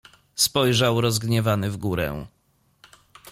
Spojrzał rozgniewany w górę.